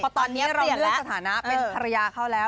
ตอนนี้เราเลือกสถานะเป็นภรรยาเขาแล้ว